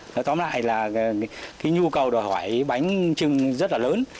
nói tóm lại là cái nhu cầu đòi hỏi bánh trưng rất là lớn